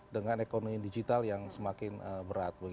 dengan ekonomi digital yang semakin berat